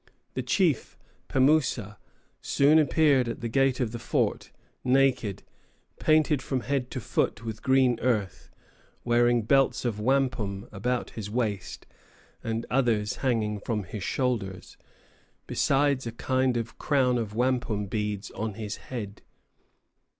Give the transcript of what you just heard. The chief, Pemoussa, soon appeared at the gate of the fort, naked, painted from head to foot with green earth, wearing belts of wampum about his waist, and others hanging from his shoulders, besides a kind of crown of wampum beads on his head.